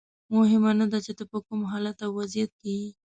مهمه نه ده چې ته په کوم حالت او وضعیت کې یې.